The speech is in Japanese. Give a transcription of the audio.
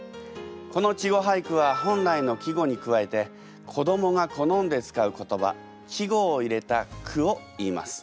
この稚語俳句は本来の季語に加えて子どもが好んで使う言葉稚語を入れた句をいいます。